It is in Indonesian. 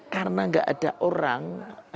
karena enggak ada orang